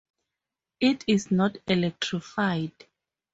It is not electrified.